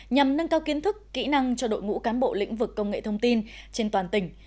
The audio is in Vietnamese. nhằm nâng cao kiến thức kỹ năng cho đội ngũ cán bộ lĩnh vực công nghệ thông tin trên toàn tỉnh